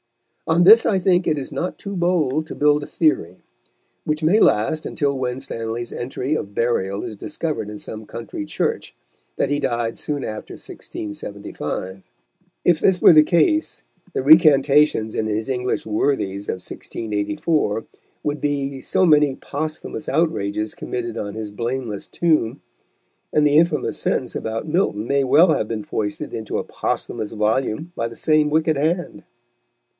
On this I think it is not too bold to build a theory, which may last until Winstanley's entry of burial is discovered in some country church, that he died soon after 1675. If this were the case, the recantations in his English Worthies of 1684 would be so many posthumous outrages committed on his blameless tomb, and the infamous sentence about Milton may well have been foisted into a posthumous volume by the same wicked hand.